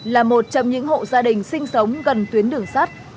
là một trong những hộ gia đình sinh sống gần tuyến đường sắt